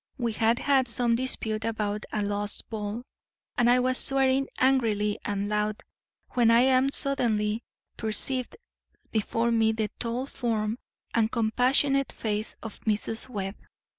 We had had some dispute about a lost ball, and I was swearing angrily and loud when I suddenly perceived before me the tall form and compassionate face of Mrs. Webb.